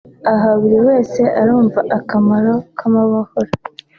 aha buri wese arumva akamaro k’amahoro